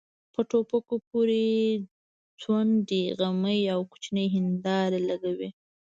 په ټوپکو پورې ځونډۍ غمي او کوچنۍ هيندارې لګوي.